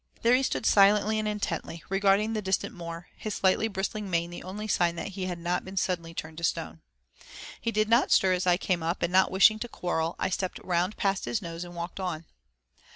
There he stood silently and intently regarding the distant moor, his slightly bristling mane the only sign that he had not been suddenly turned to stone. He did not stir as I came up, and not wishing to quarrel, I stepped around past his nose and walked on.